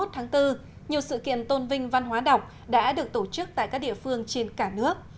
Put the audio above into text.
hai mươi một tháng bốn nhiều sự kiện tôn vinh văn hóa đọc đã được tổ chức tại các địa phương trên cả nước